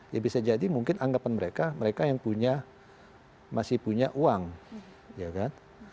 ya bisa jadi mungkin anggapan mereka mereka yang punya masih punya uang ya kan